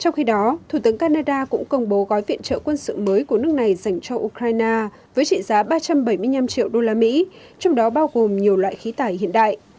trong khi đó thủ tướng canada cũng công bố gói viện trợ quân sự mới của nước này dành cho ukraine với trị giá ba trăm bảy mươi năm triệu usd trong đó bao gồm nhiều loại khí tải hiện đại